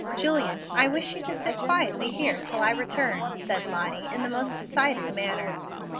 "Julian, I wish you to sit quietly here till I return," said Lottie, in the most decided manner.